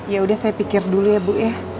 ya udah saya pikir dulu ya bu ya